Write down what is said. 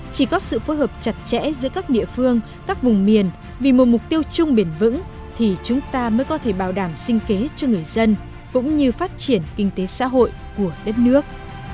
chỉ có sự phối hợp chặt chẽ giữa các địa phương các vùng miền vì một mục tiêu chung bền vững thì chúng ta mới có thể bảo đảm sinh kế cho người dân cũng như phát triển kinh tế xã hội của đất nước